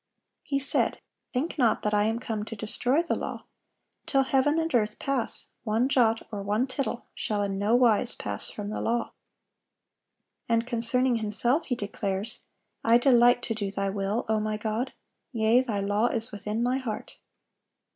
(782) He said, "Think not that I am come to destroy the law;" "till heaven and earth pass, one jot or one tittle shall in no wise pass from the law."(783) And concerning Himself He declares, "I delight to do Thy will, O My God: yea, Thy law is within My heart."